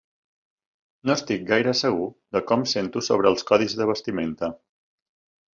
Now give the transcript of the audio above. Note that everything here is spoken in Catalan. No estic gaire segur de com sento sobre els codis de vestimenta.